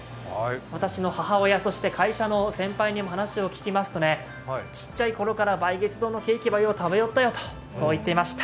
私の母親、そして会社の先輩にも話を聞きますとちっちゃい頃から梅月堂のケーキはよう食べよったよと言っています。